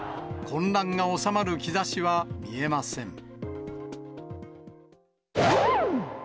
混乱が収まる兆しは見えません。